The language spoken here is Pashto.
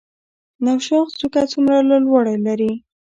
نوشاخ څوکه څومره لوړوالی لري؟